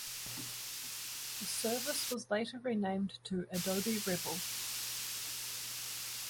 The service was later renamed to "Adobe Revel".